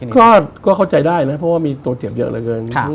ก็เข้าใจได้นะเพราะว่ามีตัวเจ็บเยอะเหลือเกิน